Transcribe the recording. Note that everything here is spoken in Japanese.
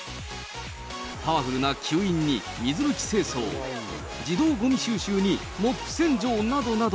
パワフルな吸引に水拭き清掃、自動ごみ収集にモップ洗浄などなど。